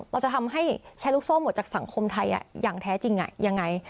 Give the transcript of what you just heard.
เราจะทำให้แชร์ลูกโซ่หมดจากสังคมไทยอย่างแท้จริงยังไง